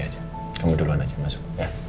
aja kamu duluan aja masuk